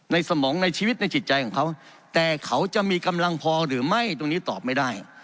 สมองในชีวิตในจิตใจของเขาแต่เขาจะมีกำลังพอหรือไม่ตรงนี้ตอบไม่ได้